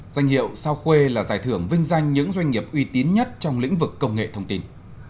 danh hiệu sao khuê là giải thưởng vinh danh những doanh nghiệp uy tín nhất trong lĩnh vực công nghệ thông tin